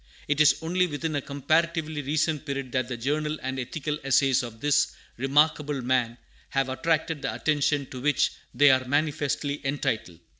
It is only within a comparatively recent period that the journal and ethical essays of this remarkable man have attracted the attention to which they are manifestly entitled.